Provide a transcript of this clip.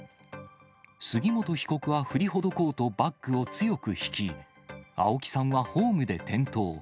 杉本被告は振りほどこうとバッグを強く引き、青木さんはホームで転倒。